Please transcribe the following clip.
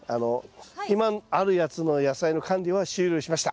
今あるやつの野菜の管理は終了しました。